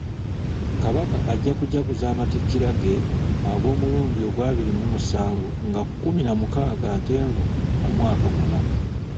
Kabaka ajja kujaguza amatikkira ge ag'omulundi agw'abiri mu musanvu nga kkumi na mukaaga ntenvu omwaka guno.